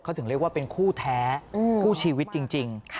เขาถึงเรียกว่าเป็นคู่แท้คู่ชีวิตจริง